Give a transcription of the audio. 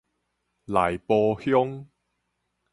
內埔鄉